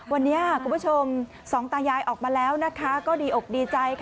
วันนี้คุณผู้ชมสองตายายออกมาแล้วก็ดีอกดีใจค่ะ